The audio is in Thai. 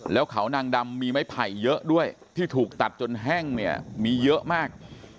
แล้วเขานางดำมีไม้ไผ่เยอะด้วยที่ถูกตัดจนแห้งเนี่ยมีเยอะมาก